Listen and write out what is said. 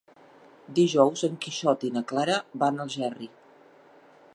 Dijous en Quixot i na Clara van a Algerri.